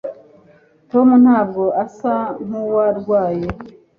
tom ntabwo asa nkuwarwaye